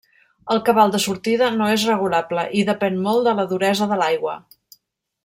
El cabal de sortida no és regulable i depèn molt de la duresa de l'aigua.